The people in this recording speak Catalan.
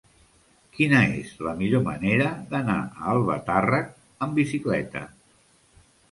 Quina és la millor manera d'anar a Albatàrrec amb bicicleta?